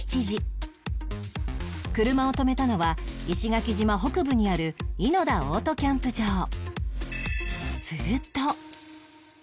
車を止めたのは石垣島北部にある伊野田オートキャンプ場